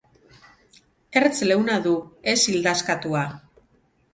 Ertz leuna du, ez ildaskatua.